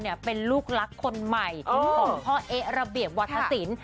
เป็นลูกรักคนใหม่ของพ่อเอ๊ะระเบียบวัฒนศิลป์